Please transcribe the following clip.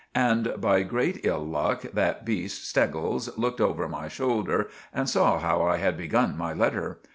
And by grate ill luck that beest Steggles looked over my sholder and saw how I had begun my letter.